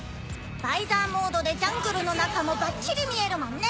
バイザーモードでジャングルの中もバッチリ見えるもんね。